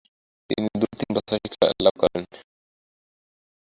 তিনি দু-তিন বছর শিক্ষালাভ করেন।